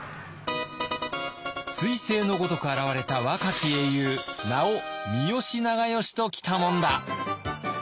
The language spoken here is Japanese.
すい星のごとく現れた若き英雄名を三好長慶ときたもんだ。